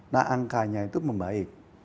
nah angkanya itu membaik